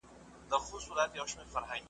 چي وهل یې د سیند غاړي ته زورونه `